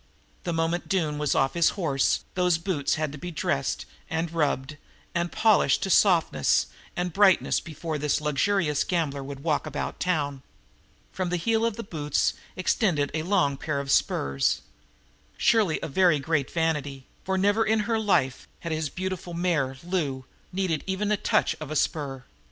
The moment Doone was off his horse those boots had to be dressed and rubbed and polished to softness and brightness before this luxurious gambler would walk about town. From the heels of the boots extended a long pair of spurs surely a very great vanity, for never in her life had his beautiful mare, Lou, needed even the touch of a spur.